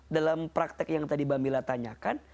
dalam praktek yang tadi bhamila tanyakan